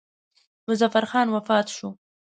مظفر خان وفات شو.